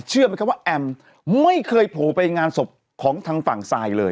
เชื่อไหมครับว่าแอมน์ไม่เคยโผล่ไปงานศพของทางฝั่งซายเลย